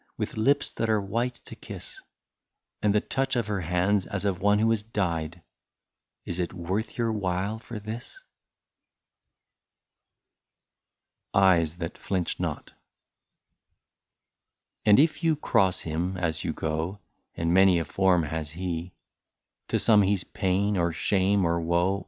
With lips that are white to kiss, And the touch of her hands as of one who has died — Is it worth your while for this ?" i6 EYES THAT FLINCH NOT. And if you cross him as you go, — And many a form has he ; To some he 's pain, or shame, or woe.